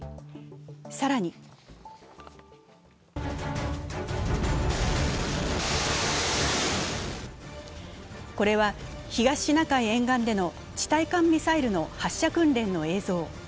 更にこれは東シナ海沿岸での地対艦ミサイルの発射訓練の映像。